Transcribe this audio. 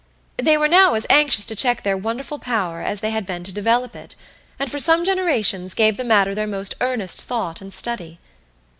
They were now as anxious to check their wonderful power as they had been to develop it; and for some generations gave the matter their most earnest thought and study.